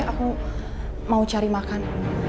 aku mau cari makan